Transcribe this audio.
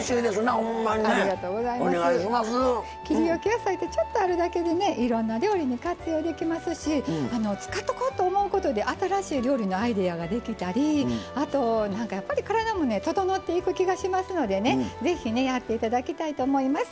野菜ってちょっとあるだけでねいろんな料理に活用できますし使っとこうと思うことで新しい料理のアイデアができたりあとなんかやっぱり体もね整っていく気がしますのでね是非ねやって頂きたいと思います。